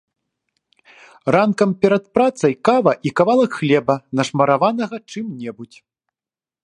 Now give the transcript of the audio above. Ранкам перад працай кава і кавалак хлеба, нашмараванага чым-небудзь.